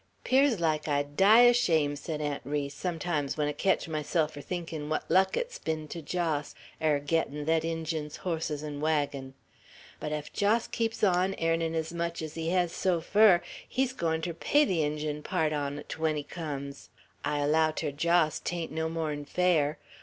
"'Pears like I'd die o' shame," said Aunt Ri, "sometimes when I ketch myself er thinkin' what luck et's ben to Jos, er gettin' thet Injun's hosses an' waggin. But ef Jos keeps on, airnin' ez much ez he hez so fur, he's goin' ter pay the Injun part on 't, when he cums. I allow ter Jos 'tain't no more'n fair.